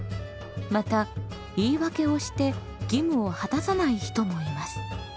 また言い訳をして義務を果たさない人もいます。